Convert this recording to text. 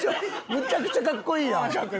むちゃくちゃ格好いいやん。